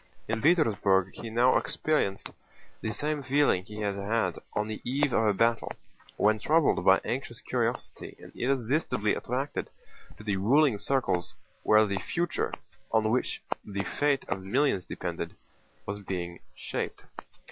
In Petersburg he now experienced the same feeling he had had on the eve of a battle, when troubled by anxious curiosity and irresistibly attracted to the ruling circles where the future, on which the fate of millions depended, was being shaped.